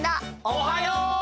おはよう！